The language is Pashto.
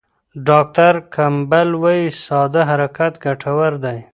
ډاکټر کمپبل وايي ساده حرکت ګټور دی.